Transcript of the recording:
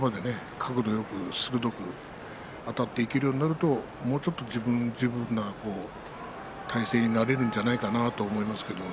角度よく鋭くあたっていけるようになるともうちょっと自分の体勢になれるんじゃないかと思いますがね。